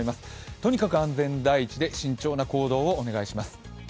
とにかく安全第一で慎重な行動をお願いします。